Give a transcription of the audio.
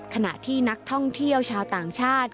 ขณะที่นักท่องเที่ยวชาวต่างชาติ